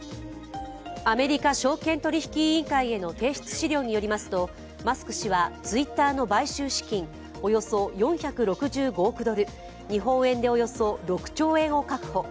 アメリカ証券取引委員会への提出資料によりますと、マスク氏はツイッターの買収資金、およそ４６５億ドル、日本円でおよそ６兆円を確保。